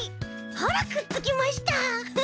ほらくっつきました！